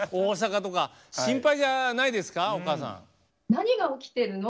何が起きてるの？